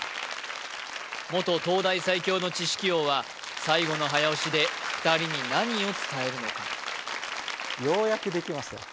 元東大最強の知識王は最後の早押しで２人に何を伝えるのかようやくできますよ